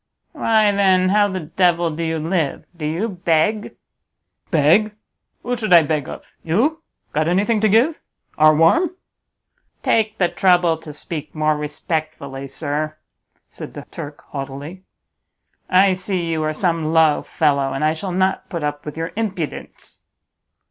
"Why then, how the devil do you live? Do you beg?" "Beg? Who should I beg of? You? Got anything to give? Are warm?" "Take the trouble to speak more respectfully, sir!" said the Turk, haughtily; "I see you are some low fellow, and I shall not put up with your impudence."